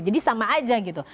jadi sama saja gitu